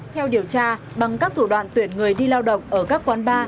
theo điều tra bằng các thủ đoạn tuyển người đi lao động ở các quán bar